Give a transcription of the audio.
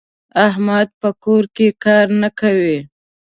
احمد په کور کې کار نه کوي.